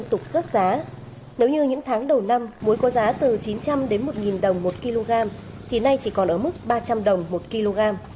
nếu như những tháng đầu năm muối có giá từ chín trăm linh đến một đồng một kg thì nay chỉ còn ở mức ba trăm linh đồng một kg